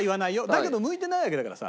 だけど向いてないわけだからさ。